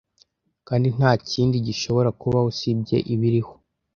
Kandi ntakindi gishobora kubaho usibye ibiriho.